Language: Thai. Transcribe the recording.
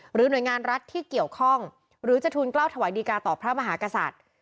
หน่วยงานรัฐที่เกี่ยวข้องหรือจะทูลกล้าวถวายดีกาต่อพระมหากษัตริย์